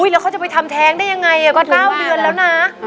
แล้วเขาจะไปทำแท้งได้ยังไงก็๙เดือนแล้วนะ